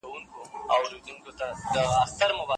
پښتورګي د ولتاژ تنظیموونکي ته ورته دي.